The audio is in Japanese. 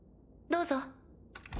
どうぞ。